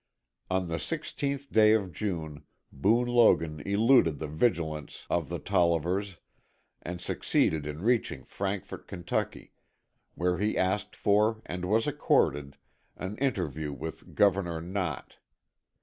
On the 16th day of June Boone Logan eluded the vigilance of the Tollivers and succeeded in reaching Frankfort, Ky., where he asked for, and was accorded, an interview with Governor Knott.